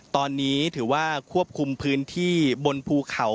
ตอนนี้ถือว่าควบคุมพื้นที่บนภูเขา